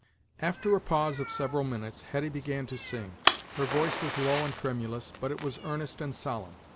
After a pause of several minutes, Hetty began to sing. Her voice was low and tremulous, but it was earnest and solemn.